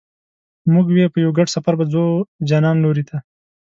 موږ وې په یو ګډ سفر به ځو د جانان لوري ته